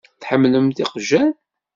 Tḥemmlemt iqjan?